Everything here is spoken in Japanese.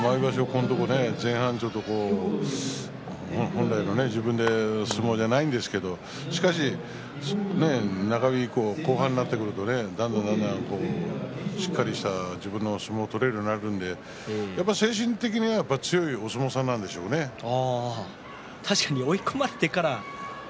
このところ前半が本来の自分の相撲じゃないんですけれどしかし中日以降後半になってくるとしっかりした自分の相撲が取れるようになるので精神的には確かに追い込まれてから力が出る。